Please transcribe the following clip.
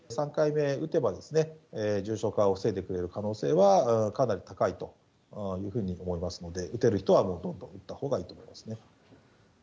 ３回目打てば、重症化を防いでくれる可能性はかなり高いというふうに思いますので、打てる人はどんどん打ったほうがいいと思いますね。